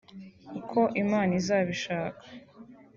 ” Uko Imana izabishaka